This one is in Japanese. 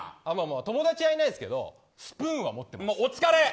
友達はいないですけどスプーンは持ってます。